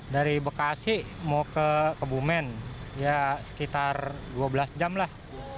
dari bekasi mau ke kebumen ya sekitar dua belas jam lah